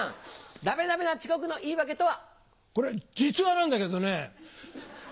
ダメダメな遅刻の言い訳とは？